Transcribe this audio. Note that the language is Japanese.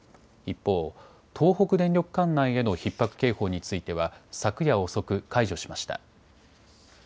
一方、東北電力管内へのひっ迫警報については昨夜遅く解除しました。